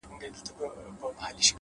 عاجزي د احترام دروازې پرانیستې ساتي’